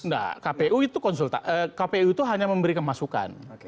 nah kpu itu kpu itu hanya memberikan masukan